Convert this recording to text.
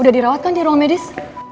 udah dirawat kan di ruang medis